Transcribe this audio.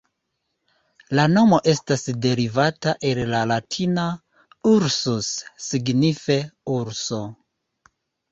La nomo estas derivata el la Latina "ursus", signife "urso".